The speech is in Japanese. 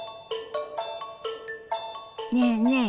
ねえねえ